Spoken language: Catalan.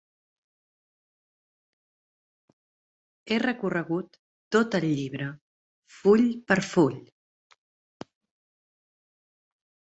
He recorregut tot el llibre, full per full.